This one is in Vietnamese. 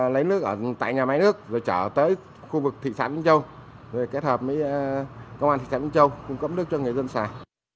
lấy nước ở tại nhà máy nước rồi trở tới khu vực thị xã minh châu rồi kết hợp với công an thị xã minh châu cung cấp nước cho người dân xài